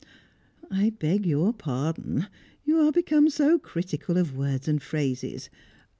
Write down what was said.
"I beg your pardon. You are become so critical of words and phrases.